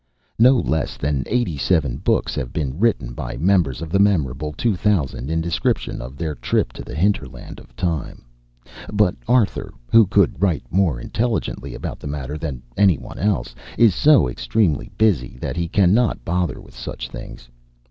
No less than eighty seven books have been written by members of the memorable two thousand in description of their trip to the hinterland of time, but Arthur, who could write more intelligently about the matter than any one else, is so extremely busy that he cannot bother with such things.